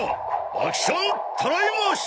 アクションたらい回し！